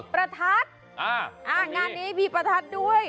ประทัดงานนี้มีประทัดด้วย